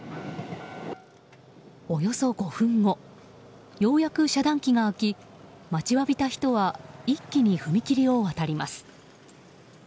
およそ５分後ようやく遮断機が開き待ちわびた人は一気に踏切を渡ります。